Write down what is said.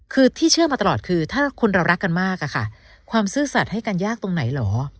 คือที่เชื่อมาตลอดคือถ้าคนเรารักกันมากอะค่ะความซื่อสัตว์ให้กันยากตรงไหนเหรอ